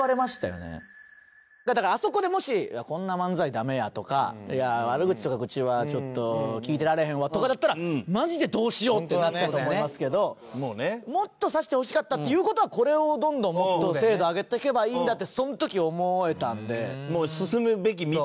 だからあそこでもし「こんな漫才ダメや」とか「悪口とか愚痴はちょっと聞いてられへんわ」とかだったらマジでどうしようってなってたと思いますけど「もっと刺してほしかった」っていう事はこれをどんどんもっと精度を上げていけばいいんだってその時思えたんで。